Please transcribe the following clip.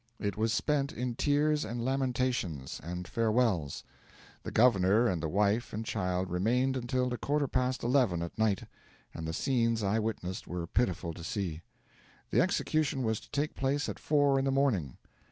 It was spent in tears and lamentations and farewells. The governor and the wife and child remained until a quarter past eleven at night, and the scenes I witnessed were pitiful to see. The execution was to take place at four in the morning.